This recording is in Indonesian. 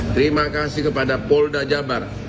terima kasih kepada polda jabar